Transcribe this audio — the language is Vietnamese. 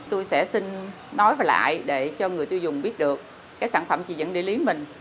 tôi sẽ xin nói lại để cho người tiêu dùng biết được sản phẩm chỉ dẫn địa lý mình